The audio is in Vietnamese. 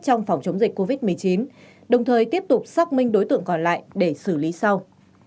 trong phòng chống dịch covid một mươi chín đồng thời tiếp tục xác minh đối tượng còn lại để xử lý sau